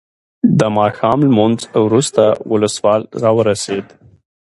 د ماښام لمونځ وروسته ولسوال راورسېد.